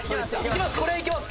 いけます。